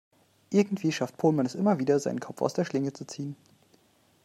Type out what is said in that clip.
Irgendwie schafft Pohlmann es immer wieder, seinen Kopf aus der Schlinge zu ziehen.